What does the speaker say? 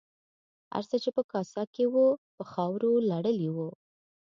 هر څه چې په کاسه کې وو په خاورو لړلي وو.